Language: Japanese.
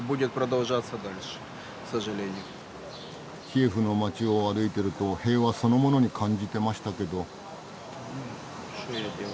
キエフの街を歩いてると平和そのものに感じてましたけど。